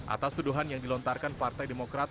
atas tuduhan yang dilontarkan partai demokrat